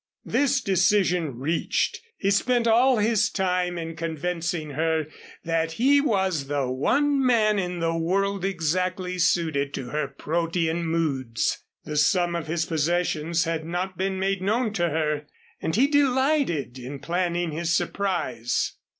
This decision reached, he spent all of his time in convincing her that he was the one man in the world exactly suited to her protean moods. The sum of his possessions had not been made known to her, and he delighted in planning his surprise.